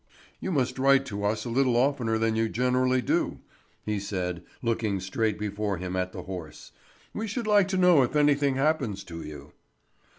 "You must write to us a little oftener than you generally do," he said, looking straight before him at the horse. "We should like to know if anything happens to you."